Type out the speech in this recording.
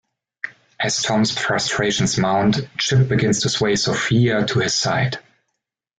As Tom's frustrations mount, Chip begins to sway Sofia to his side.